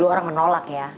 dulu orang menolak ya